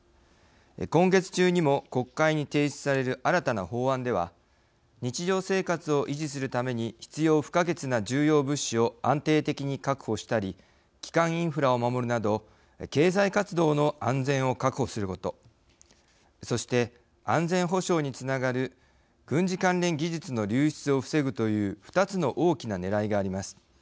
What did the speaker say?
今月中にも国会に提出される新たな法案では日常生活を維持するために必要不可欠な重要物資を安定的に確保したり基幹インフラを守るなど経済活動の安全を確保することそして安全保障につながる軍事関連技術の流出を防ぐという２つの大きなねらいがあります。